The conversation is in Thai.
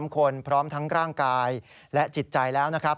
๓คนพร้อมทั้งร่างกายและจิตใจแล้วนะครับ